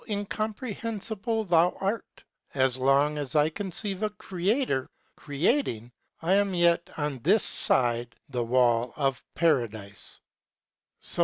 incomprehensible art thon , as long as I conceive a Creator, creating. I ana yet on this tide thewal! of Paradicc